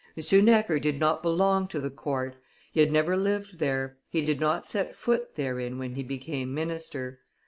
M. Necker did not belong to the court; he had never lived there, he did not set foot therein when he became minister.